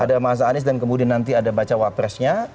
ada mas anies dan kemudian nanti ada baca wapresnya